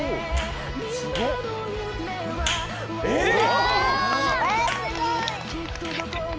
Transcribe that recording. えっ？